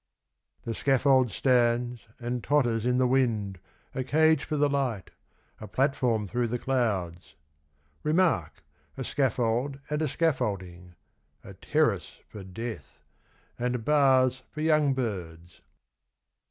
The scaffold stands and totters in the wind a cage for the light — a platform through the clouds : remark — a scaffold and a scaffolding : a terrace for death — and bars for young birds.